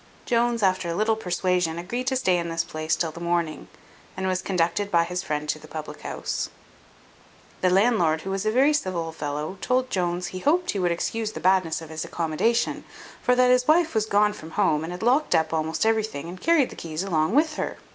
Jones, after a little persuasion, agreed to stay in this place till the morning, and was conducted by his friend to the public house. The landlord, who was a very civil fellow, told Jones, "He hoped he would excuse the badness of his accommodation; for that his wife was gone from home, and had locked up almost everything, and carried the keys along with her."